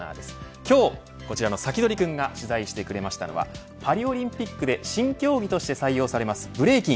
今日、こちらのサキドリくんが取材してくれましたのはパリオリンピックで新競技として採用されますブレイキン。